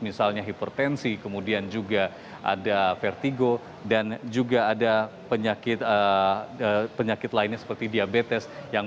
misalnya hipertensi kemudian juga ada vertigo dan juga ada penyakit lainnya seperti diabetes